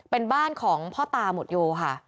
เป็นบ้านของพ่อตามวดโยค่ะ